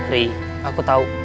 rih aku tau